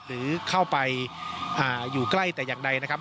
หรือเข้าไปอยู่ใกล้แต่อย่างใดนะครับ